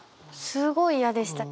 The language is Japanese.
すごい嫌でした。